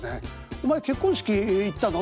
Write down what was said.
「お前結婚式行ったの？」。